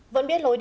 vẫn biết lối đi